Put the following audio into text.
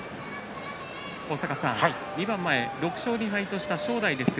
２番前、６勝２敗とした正代です。